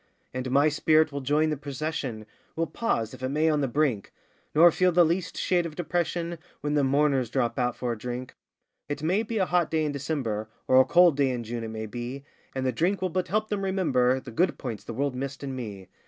And my spirit will join the procession Will pause, if it may, on the brink Nor feel the least shade of depression When the mourners drop out for a drink; It may be a hot day in December, Or a cold day in June it may be, And the drink will but help them remember The good points the world missed in me.